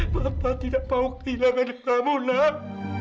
betapa tidak mau kehilangan kamu nak